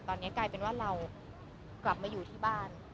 ตอนนี้กลายเป็นว่าเรากลับมาอยู่ที่บ้าน